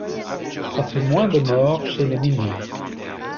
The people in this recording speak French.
ça fait moins de morts chez les mineurs.